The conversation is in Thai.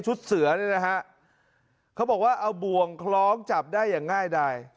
เสือนี่นะฮะเขาบอกว่าเอาบ่วงคล้องจับได้อย่างง่ายดาย